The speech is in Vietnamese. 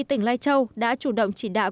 tỉnh lai châu đã chủ động chỉ đạo